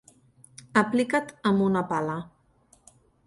Aplicat amb una pala